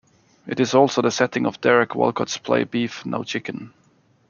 It is also the setting of Derek Walcott's play Beef, No Chicken.